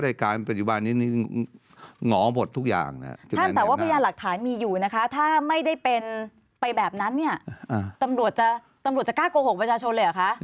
แต่ว่าพยานหลักฐานมีอยู่นะคะถ้าไม่ได้ไปแบบนั้นตำรวจจะกล้าโกหกประชาชนเลยเหรอคะ